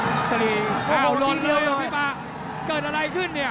อ้าวลนเลยอ่ะพี่ป๊าเกิดอะไรขึ้นเนี่ย